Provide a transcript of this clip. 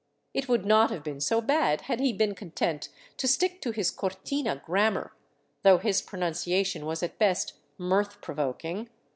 It would not have been so bad had he been content to stick to his Cortina grammar, though his pronunciation was at best mirth provoking.